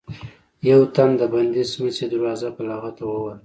يو تن د بندې سمڅې دروازه په لغته ووهله.